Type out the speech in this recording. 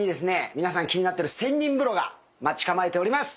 皆さん気になってる千人風呂が待ち構えております。